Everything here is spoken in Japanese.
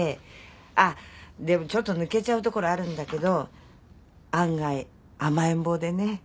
あっでもちょっと抜けちゃうところあるんだけど案外甘えん坊でね。